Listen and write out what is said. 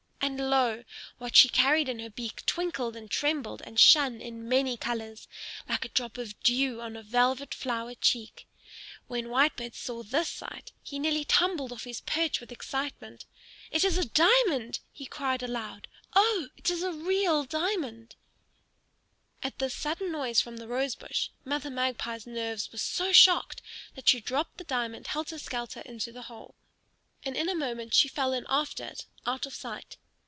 And lo, what she carried in her beak twinkled and trembled and shone in many colors, like a drop of dew on a velvet flower cheek. When Whitebird saw this sight, he nearly tumbled off his perch with excitement. "It is a diamond!" he cried aloud; "oh, it is a real diamond!" At this sudden noise from the rose bush Mother Magpie's nerves were so shocked that she dropped the diamond helter skelter into the hole. And in a moment she fell in after it, out of sight.